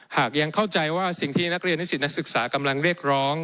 หากยังเข้าใจว่าสิ่งที่นักเรียนนิสิตนักศึกษากำลังเรียกร้อง